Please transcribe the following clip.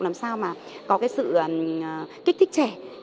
làm sao mà có cái sự kích thích trẻ